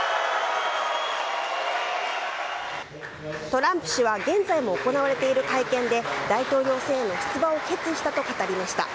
トランプ氏は現在も行われている会見で大統領選への出馬を決意したと語りました。